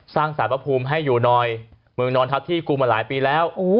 สารพระภูมิให้อยู่หน่อยมึงนอนทับที่กูมาหลายปีแล้ว